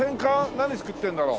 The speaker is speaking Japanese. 何造ってるんだろう？